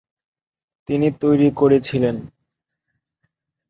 তিনি তৈরি করেছিলেন ।